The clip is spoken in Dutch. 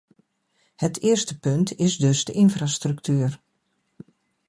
Het eerste punt is dus de infrastructuur.